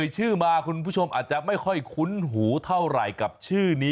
ชื่อมาคุณผู้ชมอาจจะไม่ค่อยคุ้นหูเท่าไหร่กับชื่อนี้